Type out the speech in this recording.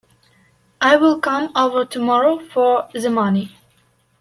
I will come over tomorrow for the money.